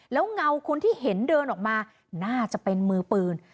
แล้วเงาคนที่เห็นเดินออกมาน่าจะเป็นมือปืน